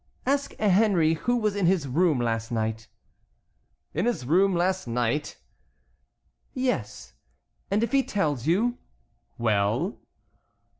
"Ask Henry who was in his room last night." "In his room last night?" "Yes; and if he tells you"— "Well?"